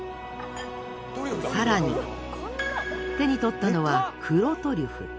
更に手に取ったのは黒トリュフ。